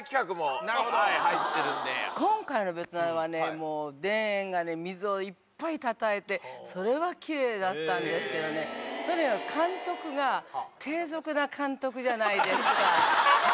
もう田園がね水をいっぱいたたえてそれはきれいだったんですけどねとにかく監督が低俗な監督じゃないですか。